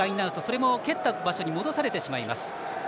しかも、蹴ったところに戻されてしまいます。